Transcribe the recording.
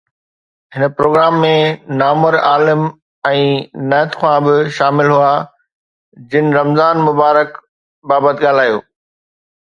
هن پروگرام ۾ نامور عالم ۽ نعت خوان پڻ شامل هئا جن رمضان المبارڪ بابت ڳالهايو